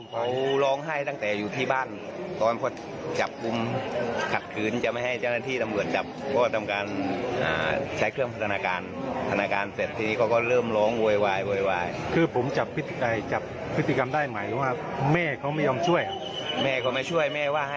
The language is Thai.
เมื่อก่อนพ่อแม่เค้าเคยแจ้งให้เจ้าจำรวจ